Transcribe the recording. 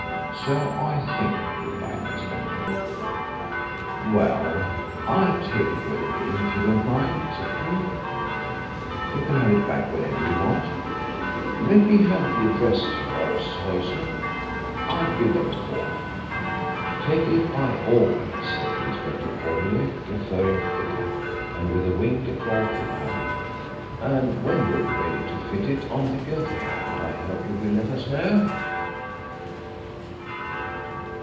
"So I think," replied the inspector. "Well, I'll take it with me, if you don't mind," said Crewe. "You can have it back whenever you want it. Let me have the address of Sir Horace's hosier I'll give him a call." "Take it by all means," said the inspector cordially, referring to the glove. And with a wink at Rolfe he added, "And when you are ready to fit it on the guilty hand I hope you will let us know."